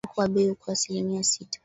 Mfumuko wa bei uko asilimia sita